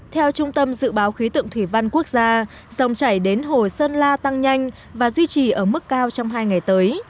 theo trung tâm dự báo khí tượng thủy văn quốc gia dòng chảy đến hồ sơn la tăng nhanh và duy trì ở mức cao trong hai ngày tới